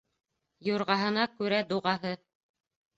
Юрғаһына күрә дуғаһы.